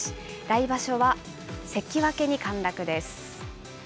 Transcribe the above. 来場所は関脇に陥落です。